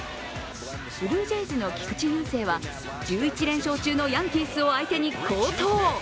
ブルージェイズの菊池雄星は１１連勝中のヤンキースを相手に好投。